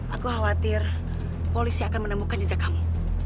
aku khawatir polisi akan menemukan jejak kamu